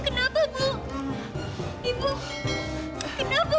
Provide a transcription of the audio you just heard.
ibu kenapa bu